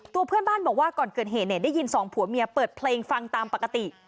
ตัวเพื่อนบ้านบอกว่าก่อนเกิดเหตุได้ยินสองผัวเมียเปิดเพลงฟังตามปกติ